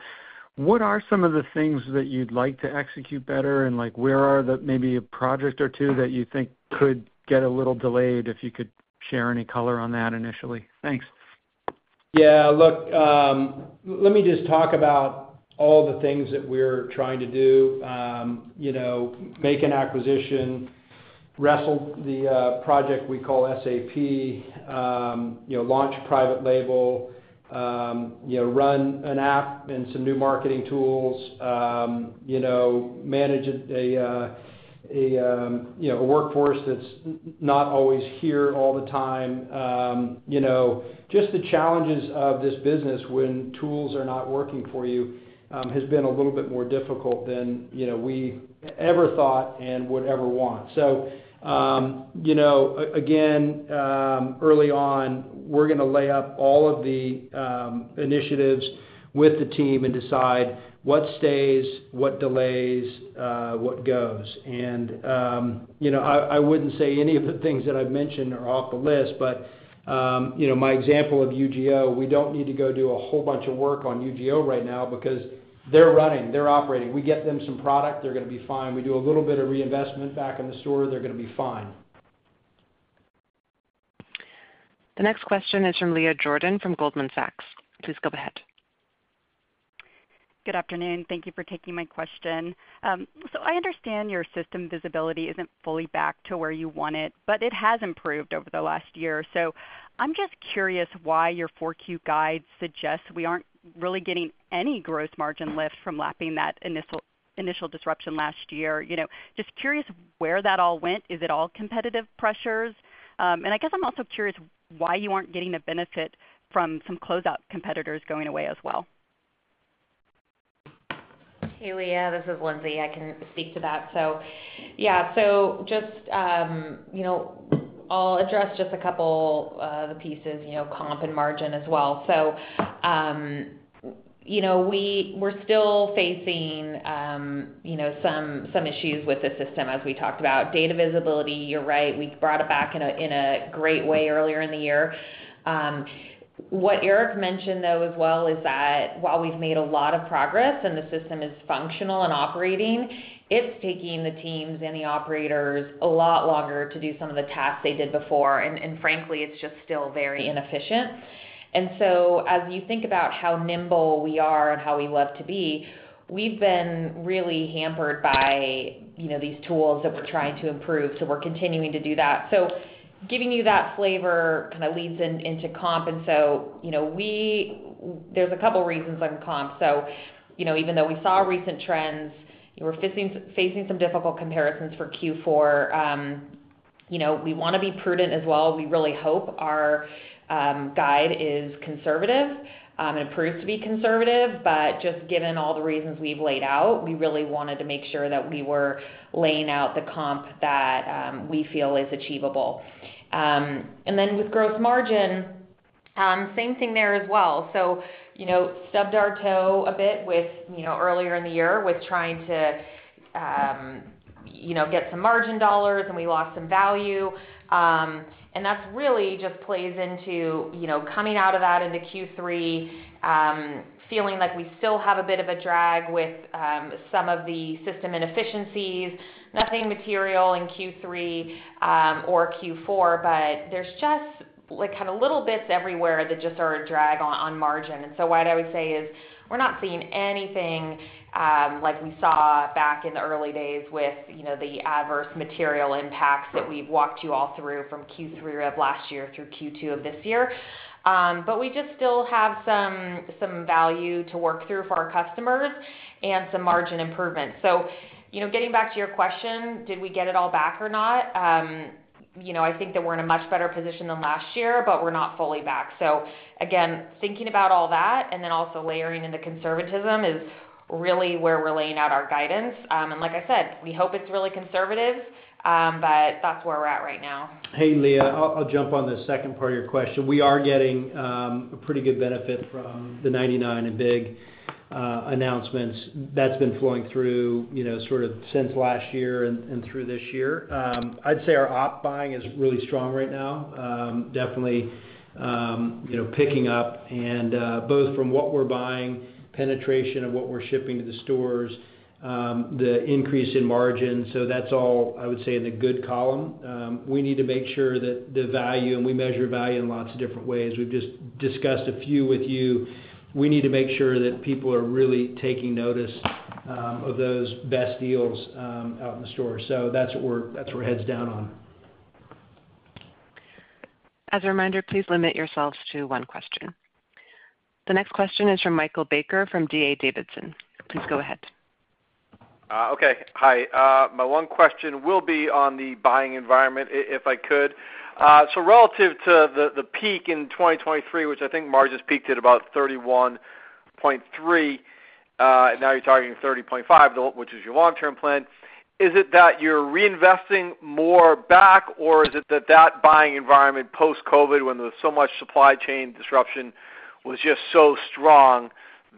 what are some of the things that you'd like to execute better, and where are the maybe a project or two that you think could get a little delayed if you could share any color on that initially? Thanks. Yeah. Look, let me just talk about all the things that we're trying to do, make an acquisition, wrestle the project we call SAP, launch private label, run an app and some new marketing tools, manage a workforce that's not always here all the time. Just the challenges of this business when tools are not working for you has been a little bit more difficult than we ever thought and would ever want, so again, early on, we're going to lay out all of the initiatives with the team and decide what stays, what delays, what goes, and I wouldn't say any of the things that I've mentioned are off the list, but my example of UGO, we don't need to go do a whole bunch of work on UGO right now because they're running. They're operating. We get them some product. They're going to be fine. We do a little bit of reinvestment back in the store. They're going to be fine. The next question is from Leah Jordan from Goldman Sachs. Please go ahead. Good afternoon. Thank you for taking my question. So I understand your system visibility isn't fully back to where you want it, but it has improved over the last year. So I'm just curious why your Q4 guide suggests we aren't really getting any gross margin lift from lapping that initial disruption last year. Just curious where that all went. Is it all competitive pressures? And I guess I'm also curious why you aren't getting a benefit from some closeout competitors going away as well. Hey, Leah. This is Lindsay. I can speak to that. So yeah. So just I'll address just a couple of the pieces, comp and margin as well. So we're still facing some issues with the system, as we talked about. Data visibility, you're right. We brought it back in a great way earlier in the year. What Eric mentioned, though, as well is that while we've made a lot of progress and the system is functional and operating, it's taking the teams and the operators a lot longer to do some of the tasks they did before. And frankly, it's just still very inefficient. And so as you think about how nimble we are and how we love to be, we've been really hampered by these tools that we're trying to improve. So we're continuing to do that. So giving you that flavor kind of leads into comp. And so there's a couple of reasons on comp. So even though we saw recent trends, we're facing some difficult comparisons for Q4. We want to be prudent as well. We really hope our guide is conservative. It appears to be conservative, but just given all the reasons we've laid out, we really wanted to make sure that we were laying out the comp that we feel is achievable. And then with gross margin, same thing there as well. So stubbed our toe a bit earlier in the year with trying to get some margin dollars, and we lost some value. And that really just plays into coming out of that into Q3, feeling like we still have a bit of a drag with some of the system inefficiencies. Nothing material in Q3 or Q4, but there's just kind of little bits everywhere that just are a drag on margin. And so what I would say is we're not seeing anything like we saw back in the early days with the adverse material impacts that we've walked you all through from Q3 of last year through Q2 of this year. But we just still have some value to work through for our customers and some margin improvements. So getting back to your question, did we get it all back or not? I think that we're in a much better position than last year, but we're not fully back. So again, thinking about all that and then also layering in the conservatism is really where we're laying out our guidance. And like I said, we hope it's really conservative, but that's where we're at right now. Hey, Leah. I'll jump on the second part of your question. We are getting a pretty good benefit from the 99 and Big announcements. That's been flowing through sort of since last year and through this year. I'd say our op buying is really strong right now, definitely picking up, and both from what we're buying, penetration of what we're shipping to the stores, the increase in margin. So that's all, I would say, in the good column. We need to make sure that the value, and we measure value in lots of different ways. We've just discussed a few with you. We need to make sure that people are really taking notice of those best deals out in the store. So that's what we're heads down on. As a reminder, please limit yourselves to one question. The next question is from Michael Baker from D.A. Davidson. Please go ahead. Okay. Hi. My one question will be on the buying environment, if I could. So relative to the peak in 2023, which I think margin has peaked at about 31.3%, and now you're talking 30.5%, which is your long-term plan. Is it that you're reinvesting more back, or is it that that buying environment post-COVID, when there was so much supply chain disruption, was just so strong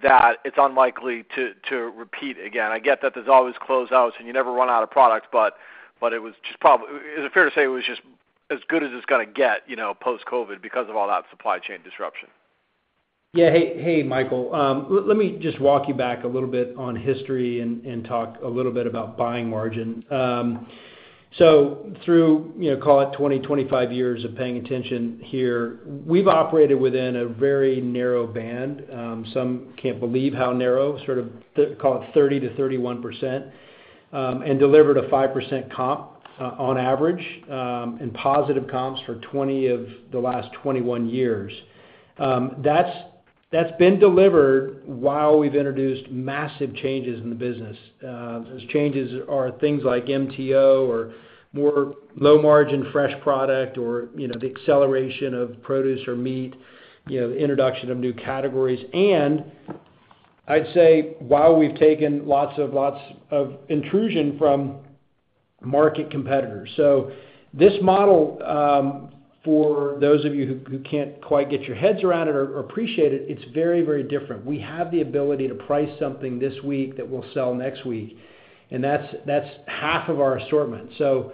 that it's unlikely to repeat again? I get that there's always closeouts, and you never run out of products, but it was just probably is it fair to say it was just as good as it's going to get post-COVID because of all that supply chain disruption? Yeah. Hey, Michael. Let me just walk you back a little bit on history and talk a little bit about buying margin. So through, call it, 20-25 years of paying attention here, we've operated within a very narrow band. Some can't believe how narrow, sort of call it 30%-31%, and delivered a 5% comp on average and positive comps for 20 of the last 21 years. That's been delivered while we've introduced massive changes in the business. Those changes are things like MTO or more low-margin fresh product or the acceleration of produce or meat, the introduction of new categories. And I'd say while we've taken lots of intrusion from market competitors. So this model, for those of you who can't quite get your heads around it or appreciate it, it's very, very different. We have the ability to price something this week that we'll sell next week, and that's half of our assortment, so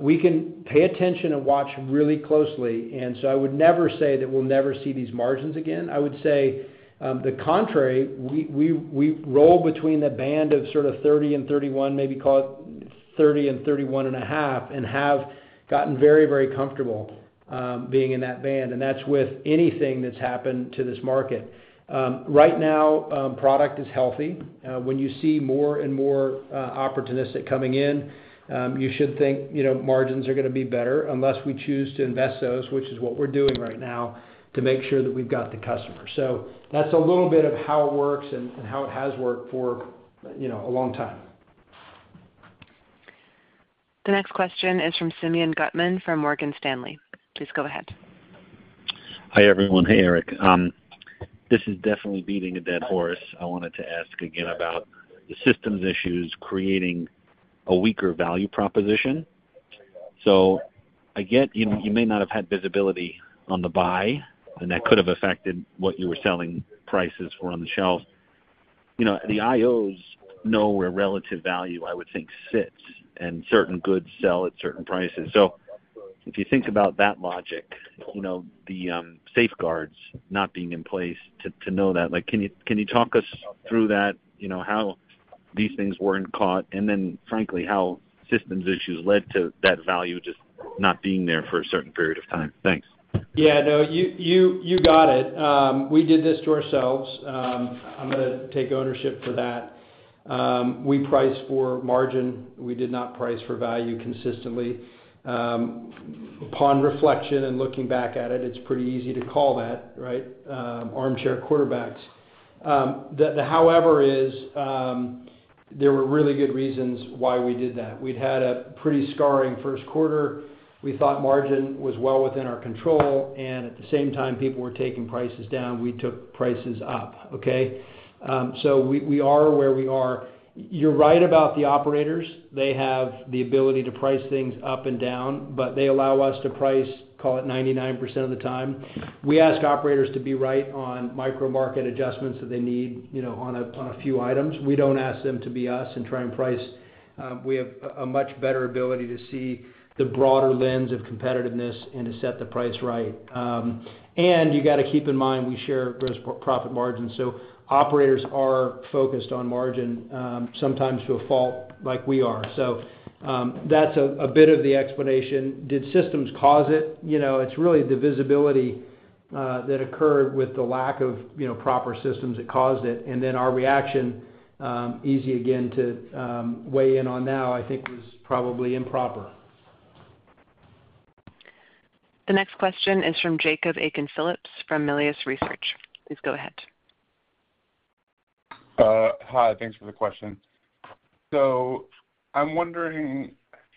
we can pay attention and watch really closely, and so I would never say that we'll never see these margins again. I would say the contrary. We roll between the band of sort of 30 and 31, maybe call it 30 and 31 and a half, and have gotten very, very comfortable being in that band, and that's with anything that's happened to this market. Right now, product is healthy. When you see more and more opportunists coming in, you should think margins are going to be better unless we choose to invest those, which is what we're doing right now to make sure that we've got the customer, so that's a little bit of how it works and how it has worked for a long time. The next question is from Simeon Gutman from Morgan Stanley. Please go ahead. Hi everyone. Hey, Eric. This is definitely beating a dead horse. I wanted to ask again about the systems issues creating a weaker value proposition. So I get you may not have had visibility on the buy, and that could have affected what you were selling prices for on the shelf. The IOs know where relative value, I would think, sits, and certain goods sell at certain prices. So if you think about that logic, the safeguards not being in place to know that, can you talk us through that, how these things weren't caught, and then, frankly, how systems issues led to that value just not being there for a certain period of time? Thanks. Yeah. No, you got it. We did this to ourselves. I'm going to take ownership for that. We price for margin. We did not price for value consistently. Upon reflection and looking back at it, it's pretty easy to call that, right, armchair quarter backs. The however is there were really good reasons why we did that. We'd had a pretty scarring Q1. We thought margin was well within our control. And at the same time, people were taking prices down. We took prices up. Okay? So we are where we are. You're right about the operators. They have the ability to price things up and down, but they allow us to price, call it 99% of the time. We ask operators to be right on micro-market adjustments that they need on a few items. We don't ask them to be us and try and price. We have a much better ability to see the broader lens of competitiveness and to set the price right, and you got to keep in mind we share gross profit margins, so operators are focused on margin sometimes to a fault like we are, so that's a bit of the explanation. Did systems cause it? It's really the visibility that occurred with the lack of proper systems that caused it, and then our reaction, easy again to weigh in on now, I think was probably improper. The next question is from Jacob Aiken-Phillips from Melius Research. Please go ahead. Hi. Thanks for the question. So I'm wondering,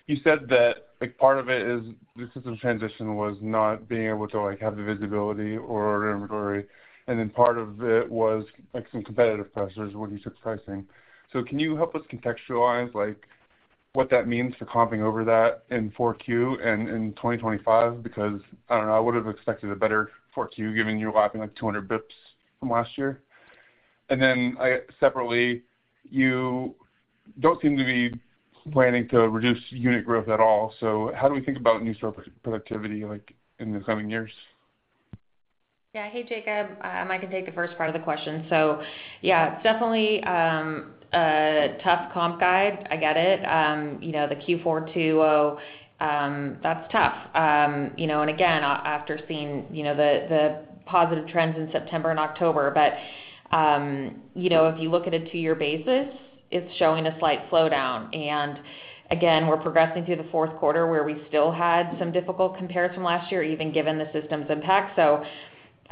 you said that part of it is the system transition was not being able to have the visibility or inventory. And then part of it was some competitive pressures when you took pricing. So can you help us contextualize what that means for comping over that in Q4 and in 2025? Because I don't know. I would have expected a better Q4 given you're lapping like 200 basis points from last year. And then separately, you don't seem to be planning to reduce unit growth at all. So how do we think about new store productivity in the coming years? Yeah. Hey, Jacob. I can take the first part of the question. So yeah, definitely a tough comp guide. I get it. The Q4, Q2, that's tough. And again, after seeing the positive trends in September and October, but if you look at a two-year basis, it's showing a slight slowdown. And again, we're progressing through the Q4 where we still had some difficult comparison last year, even given the systems impact. So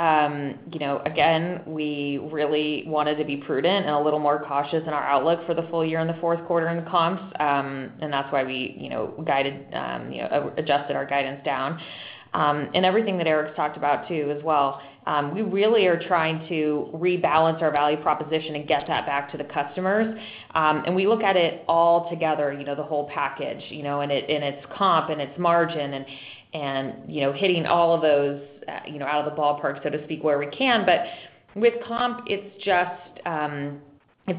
again, we really wanted to be prudent and a little more cautious in our outlook for the full year in the Q4 in comps. And that's why we adjusted our guidance down. And everything that Eric's talked about too as well. We really are trying to rebalance our value proposition and get that back to the customers. We look at it all together, the whole package, and it's comp and it's margin and hitting all of those out of the ballpark, so to speak, where we can. But with comp, it's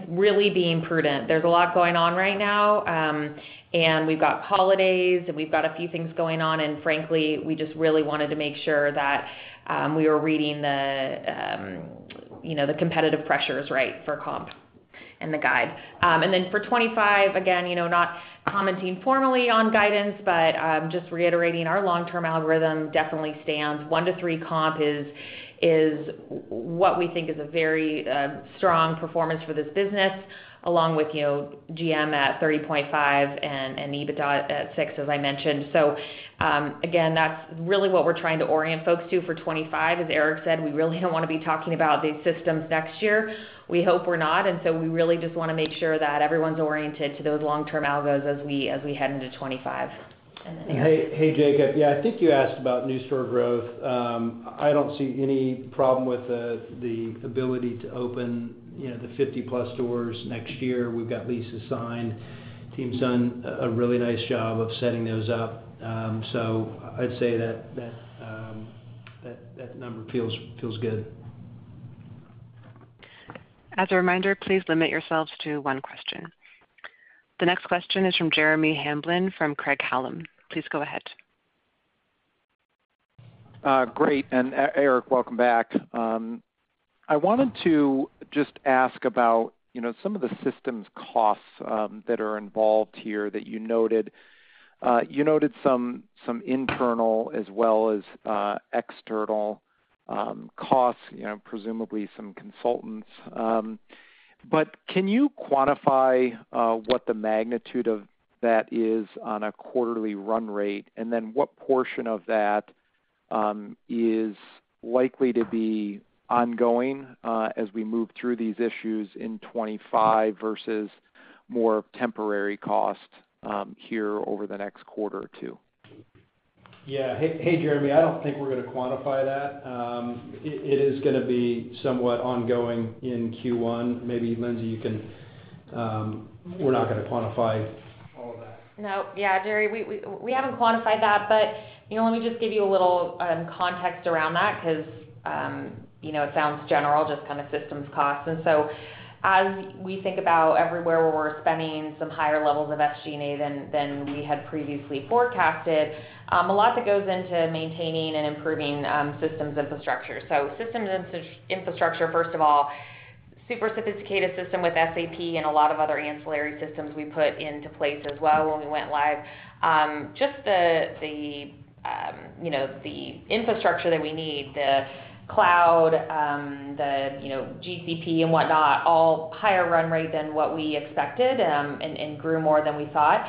really being prudent. There's a lot going on right now. We've got holidays, and we've got a few things going on. And frankly, we just really wanted to make sure that we were reading the competitive pressures right for comp and the guide. Then for 2025, again, not commenting formally on guidance, but just reiterating our long-term algorithm definitely stands. One to three comp is what we think is a very strong performance for this business, along with GM at 30.5% and EBITDA at 6%, as I mentioned. So again, that's really what we're trying to orient folks to for 2025, as Eric said. We really don't want to be talking about these systems next year. We hope we're not. And so we really just want to make sure that everyone's oriented to those long-term algos as we head into 2025. And then Eric. Hey, Jacob. Yeah, I think you asked about new store growth. I don't see any problem with the ability to open the 50-plus stores next year. We've got leases signed. Team's done a really nice job of setting those up. So I'd say that number feels good. As a reminder, please limit yourselves to one question. The next question is from Jeremy Hamblin from Craig-Hallum. Please go ahead. Great. And Eric, welcome back. I wanted to just ask about some of the systems costs that are involved here that you noted. You noted some internal as well as external costs, presumably some consultants. But can you quantify what the magnitude of that is on a quarterly run rate? And then what portion of that is likely to be ongoing as we move through these issues in 2025 versus more temporary costs here over the next quarter or two? Yeah. Hey, Jeremy, I don't think we're going to quantify that. It is going to be somewhat ongoing in Q1. Maybe Lindsay, you can. We're not going to quantify all of that. No. Yeah, Jerry, we haven't quantified that, but let me just give you a little context around that because it sounds general, just kind of systems costs. And so as we think about everywhere where we're spending some higher levels of SG&A than we had previously forecasted, a lot that goes into maintaining and improving systems infrastructure. So systems infrastructure, first of all, super sophisticated system with SAP and a lot of other ancillary systems we put into place as well when we went live. Just the infrastructure that we need, the cloud, the GCP, Whatnot, all higher run rate than what we expected and grew more than we thought.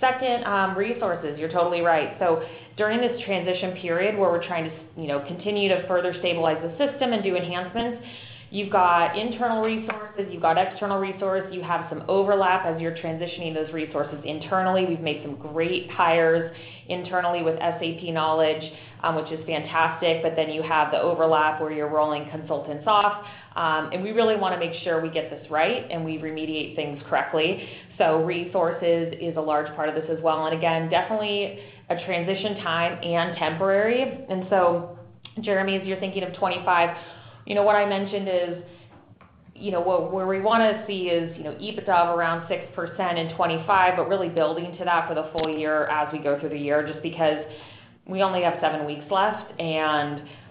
Second, resources. You're totally right. So during this transition period where we're trying to continue to further stabilize the system and do enhancements, you've got internal resources, you've got external resources, you have some overlap as you're transitioning those resources internally. We've made some great hires internally with SAP knowledge, which is fantastic. But then you have the overlap where you're rolling consultants off. And we really want to make sure we get this right and we remediate things correctly. So resources is a large part of this as well. And again, definitely a transition time and temporary. And so Jeremy, as you're thinking of 2025, what I mentioned is where we want to see is EBITDA of around 6% in 2025, but really building to that for the full year as we go through the year just because we only have seven weeks left.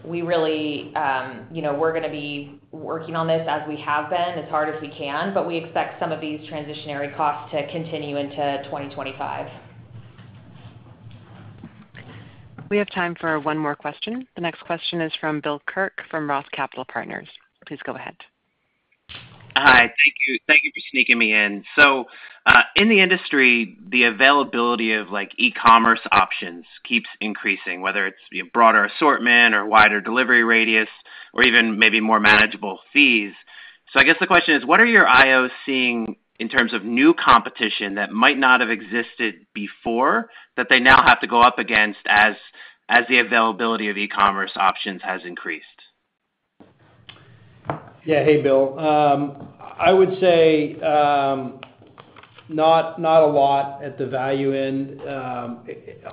We really are going to be working on this as we have been, as hard as we can, but we expect some of these transitory costs to continue into 2025. We have time for one more question. The next question is from Bill Kirk from Roth MKM. Please go ahead. Hi. Thank you. Thank you for sneaking me in. So in the industry, the availability of e-commerce options keeps increasing, whether it's broader assortment or wider delivery radius or even maybe more manageable fees. So I guess the question is, what are your IOs seeing in terms of new competition that might not have existed before that they now have to go up against as the availability of e-commerce options has increased? Yeah. Hey, Bill. I would say not a lot at the value end.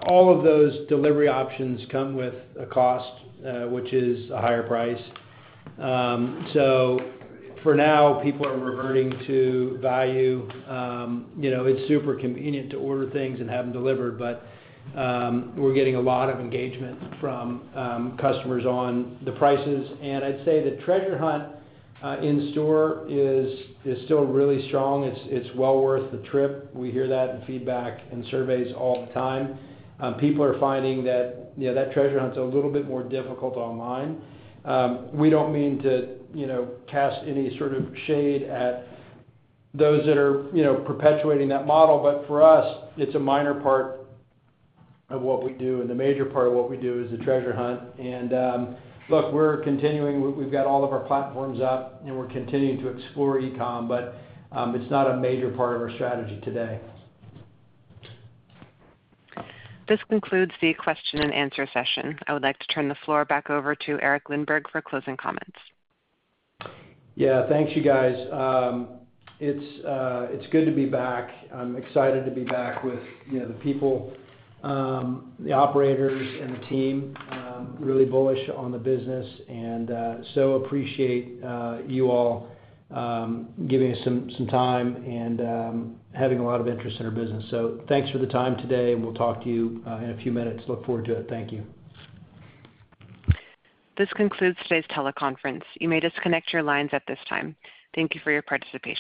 All of those delivery options come with a cost, which is a higher price. So for now, people are reverting to value. It's super convenient to order things and have them delivered, but we're getting a lot of engagement from customers on the prices. And I'd say the treasure hunt in store is still really strong. It's well worth the trip. We hear that in feedback and surveys all the time. People are finding that that treasure hunt's a little bit more difficult online. We don't mean to cast any sort of shade at those that are perpetuating that model, but for us, it's a minor part of what we do. And the major part of what we do is the treasure hunt. And look, we're continuing. We've got all of our platforms up, and we're continuing to explore e-com, but it's not a major part of our strategy today. This concludes the Q&A session. I would like to turn the floor back over to Eric Lindberg for closing comments. Yeah. Thanks, you guys. It's good to be back. I'm excited to be back with the people, the operators, and the team. Really bullish on the business, and so appreciate you all giving us some time and having a lot of interest in our business. So thanks for the time today. We'll talk to you in a few minutes. Look forward to it. Thank you. This concludes today's teleconference. You may disconnect your lines at this time. Thank you for your participation.